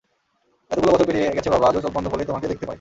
এতগুলো বছর পেরিয়ে গেছে বাবা, আজও চোখ বন্ধ করলেই তোমাকে দেখতে পাই।